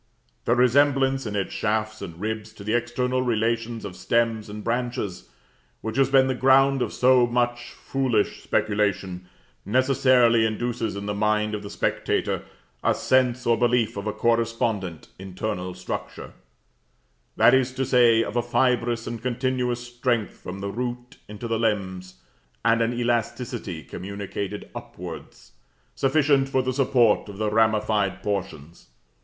The resemblance in its shafts and ribs to the external relations of stems and branches, which has been the ground of so much foolish speculation, necessarily induces in the mind of the spectator a sense or belief of a correspondent internal structure; that is to say, of a fibrous and continuous strength from the root into the limbs, and an elasticity communicated upwards, sufficient for the support of the ramified portions.